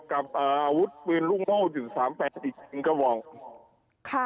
กับอาวุธปืนลูกโม่๖๓๘ติดตัว๑กระบอก